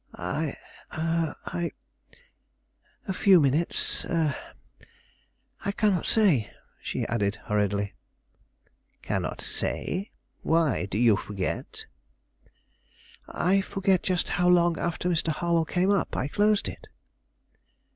"I I a few minutes a I cannot say," she added, hurriedly. "Cannot say? Why? Do you forget?" "I forget just how long after Mr. Harwell came up I closed it."